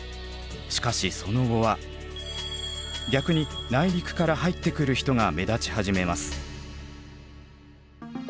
しかしその後は逆に内陸から入ってくる人が目立ち始めます。